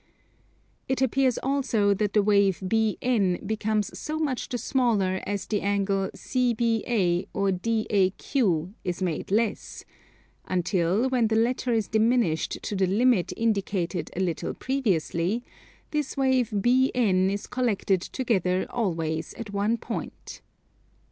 It appears also that the wave BN becomes so much the smaller as the angle CBA or DAQ is made less; until when the latter is diminished to the limit indicated a little previously, this wave BN is collected together always at one point.